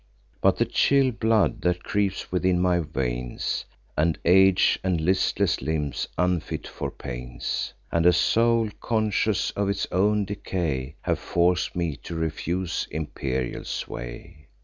But the chill blood that creeps within my veins, And age, and listless limbs unfit for pains, And a soul conscious of its own decay, Have forc'd me to refuse imperial sway.